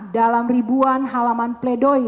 dalam ribuan halaman pledoi